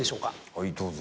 はいどうぞ。